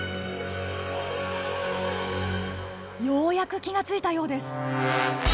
ようやく気が付いたようです。